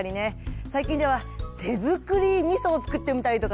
最近では手づくりみそをつくってみたりとかね。